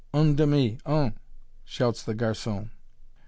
"Un demi! un!" shouts the garçon.